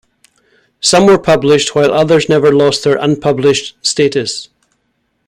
Some were published while others never lost their "unpublished" status.